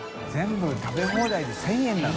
管食べ放題で１０００円なの？